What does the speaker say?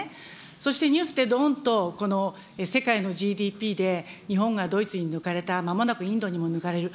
そしてニュースでどーんとこの世界のＧＤＰで日本がドイツに抜かれた、まもなくインドにも抜かれる。